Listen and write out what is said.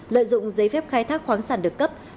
lợi dụng giấy phép khai thác khoáng sản được cấp